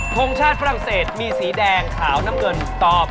ทงชาติฝรั่งเศสมีสีแดงขาวน้ำเงินตอบ